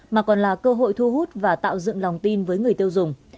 mà còn là cơ hội thu hút và tạo dựng lòng tin với người tiêu dùng